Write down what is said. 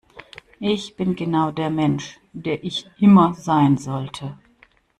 Ich bin genau der Mensch, der ich immer sein sollte.